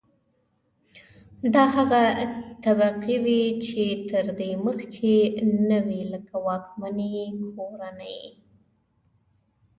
دا هغه طبقې وې چې تر دې مخکې نه وې لکه واکمنې کورنۍ.